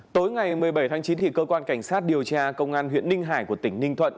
tối ngày một mươi bảy tháng chín cơ quan cảnh sát điều tra công an huyện ninh hải của tỉnh ninh thuận